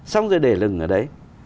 xong rồi để lừng ở đấy